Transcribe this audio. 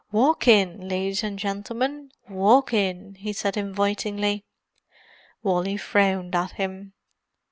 "Walk in, ladies and gentleman, walk in!" he said invitingly. Wally frowned at him.